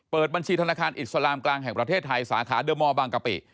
บัญชีธนาคารอิสลามกลางแห่งประเทศไทยสาขาเดอร์มอลบางกะปิ